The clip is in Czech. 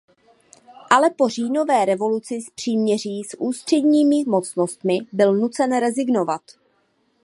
Ale po říjnové revoluci a příměří s ústředními mocnostmi byl nucen rezignovat.